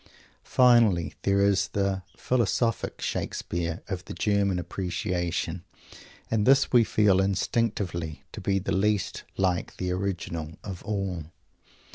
Finally there is the "Philosophical Shakespeare" of the German appreciation, and this we feel instinctively to be the least like the original of all!